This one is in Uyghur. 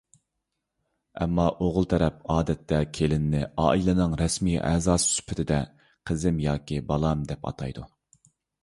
ئەمما ئوغۇل تەرەپ ئادەتتە كېلىننى ئائىلىنىڭ رەسمىي ئەزاسى سۈپىتىدە «قىزىم ياكى بالام» دەپ ئاتايدۇ.